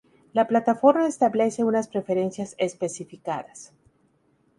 La plataforma establece unas preferencias especificadas.